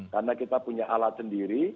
karena kita punya alat sendiri